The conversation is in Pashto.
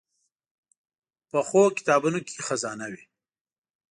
پخو کتابونو کې خزانه وي